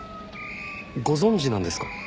ご存じなんですか？